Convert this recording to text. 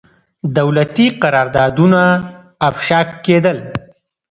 دولتي قراردادونه افشا کېدل.